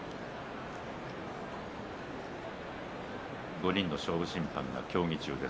５人の勝負審判が協議中です。